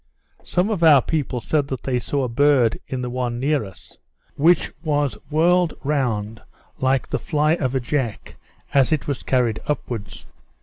Some of our people said they saw a bird in the one near us, which was whirled round like the fly of a jack, as it was carried upwards.